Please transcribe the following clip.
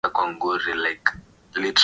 Yeye huwa hasikilizi muziki